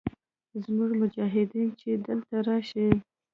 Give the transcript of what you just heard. زموږ مجاهدین چې دلته راشي.